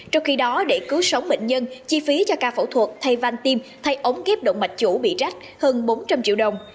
trong khi đó để cứu sống bệnh nhân chi phí cho ca phẫu thuật thay van tim thay ống kép động mạch chủ bị rách hơn bốn trăm linh triệu đồng